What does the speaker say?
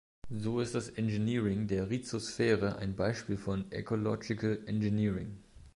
So ist das Engineering der Rhizosphäre ein Beispiel von "Ecological engineering".